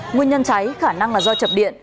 nguyên nhân cháy khả năng là do chập điện